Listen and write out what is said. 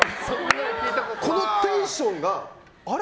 このテンションがあれ？